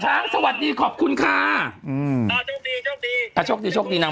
ช้างช้างตีปากช้างก่อนช้างไปนะกลับ